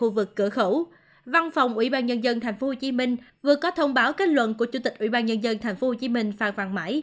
vừa có thông báo kết luận của chủ tịch ủy ban nhân dân tp hcm phan văn mãi